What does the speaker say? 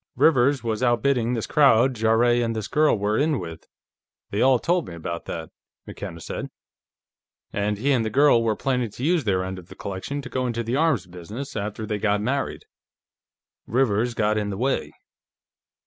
"Rivers was outbidding this crowd Jarrett and the girl were in with. They all told me about that," McKenna said. "And he and the girl were planning to use their end of the collection to go into the arms business, after they got married. Rivers got in the way."